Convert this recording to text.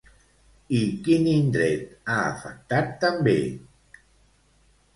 I quin indret ha afectat també?